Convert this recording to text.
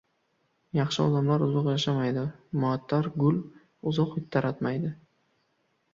• Yaxshi odamlar uzoq yashamaydi, muattar gul uzoq hid taratmaydi.